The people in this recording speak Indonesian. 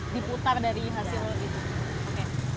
diputar dari hasil itu